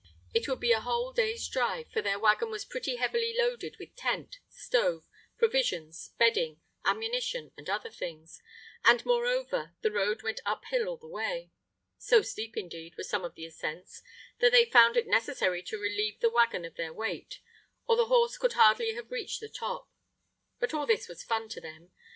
It would be a whole day's drive, for their waggon was pretty heavily loaded with tent, stove, provisions, bedding, ammunition, and other things, and, moreover, the road went up hill all the way. So steep, indeed, were some of the ascents that they found it necessary to relieve the waggon of their weight, or the horse could hardly have reached the top. But all this was fun to them.